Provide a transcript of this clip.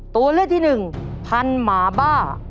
ตัวเลือกที่หนึ่งพันหมาบ้า